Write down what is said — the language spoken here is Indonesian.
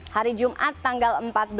hari jumat tanggal empat belas